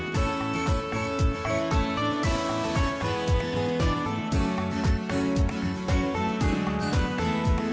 โปรดติดตามตอนต่อไป